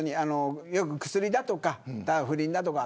薬だとか不倫だとか。